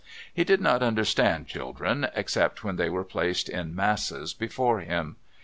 He did not understand children except when they were placed in masses before him.